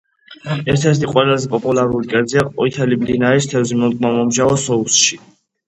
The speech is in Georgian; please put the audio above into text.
ერთ-ერთი ყველაზე პოპულარული კერძია ყვითელი მდინარის თევზი მოტკბო-მომჟავო სოუსში.